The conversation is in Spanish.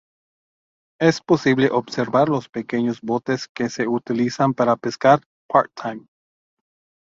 Es posible observar los pequeños botes que se utilizan para pesca part-time.